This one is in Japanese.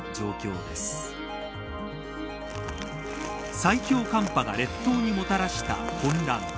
最強寒波が列島にもたらした混乱。